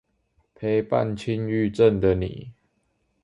陪伴輕鬱症的你